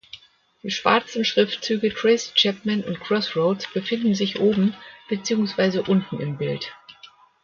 Die schwarzen Schriftzüge "Tracy Chapman" und "Crossroads" befinden sich oben beziehungsweise unten im Bild.